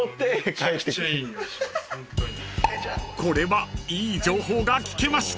［これはいい情報が聞けました］